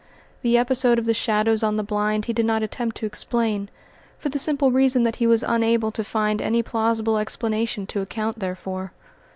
The episode of the shadows on the blind he did not attempt to explain, for the simple reason that he was unable to find any plausible explanation to account therefor.